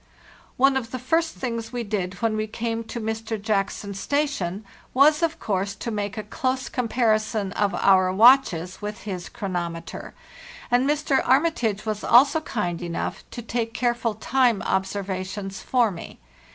One of the first things we did when we came to Mr. Jackson's station was of course to make a close comparison of our watches with his chronometer; and Mr. Armitage was also kind enough to take careful time observations for me.